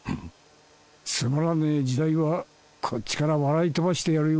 つまらねえ時代はこっちから笑い飛ばしてやるよ。